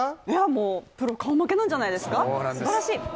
いやもう、プロ顔負けなんじゃないですかすばらしい！